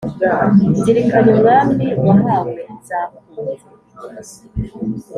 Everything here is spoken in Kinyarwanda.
nzirikanye umwami wahawe zakunze,